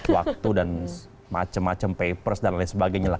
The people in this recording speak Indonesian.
waktu dan macam macam papers dan lain sebagainya lah